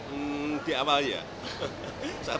kenonton sesang itu dekat nggak pak